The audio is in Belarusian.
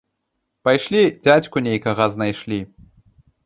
Пайшлі дзядзьку нейкага знайшлі.